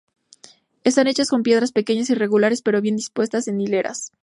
Están hechas con piedras pequeñas, irregulares, pero bien dispuestas en hileras.